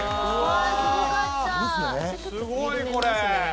すごいこれ。